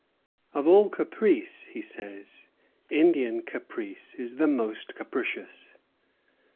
"Of all caprice," he says, "Indian caprice is the most capricious."